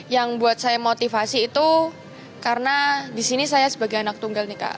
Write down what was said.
yang buat saya motivasi itu karena di sini saya sebagai anak tunggal nih kak